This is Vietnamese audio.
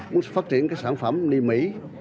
muốn phát triển các sản phẩm đi mỹ